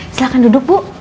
silahkan duduk bu